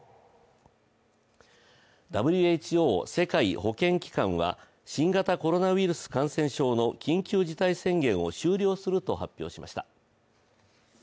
ＷＨＯ＝世界保健機関は新型コロナウイルス感染症の緊急事態宣言を終了すると発表しました。